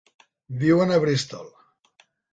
Viuen a Bristol.